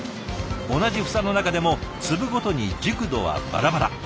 同じ房の中でも粒ごとに熟度はバラバラ。